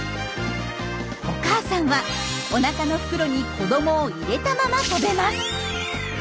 お母さんはおなかの袋に子どもを入れたまま飛べます。